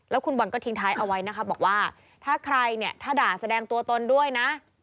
คุณบอลก็ทิ้งท้ายเอาไว้นะคะบอกว่าถ้าใครเนี่ยถ้าด่าแสดงตัวตนด้วยนะ